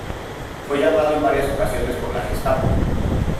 Fue llamado en varias ocasiones por la Gestapo.